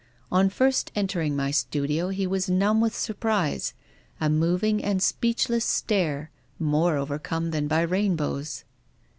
On first entering my studio he was numb with surprise, a moving and speechless stare — more overcome than by rainbows."